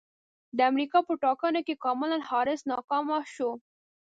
د امریکا په ټاکنو کې کاملا حارس ناکامه شوه